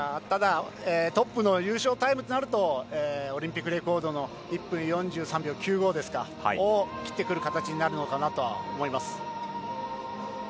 ただ、優勝タイムとなるとオリンピックレコードの１分４３秒９５を切ってくる形になるのかなと思います。